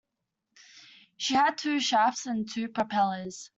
She had two shafts and two propellers.